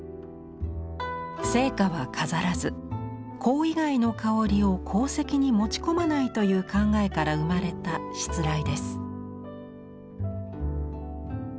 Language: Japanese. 生花は飾らず香以外の香りを香席に持ち込まないという考えから生まれた室礼です。